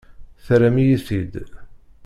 Terram-iyi-t-id.